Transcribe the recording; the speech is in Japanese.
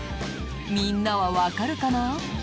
みんなはわかるかな？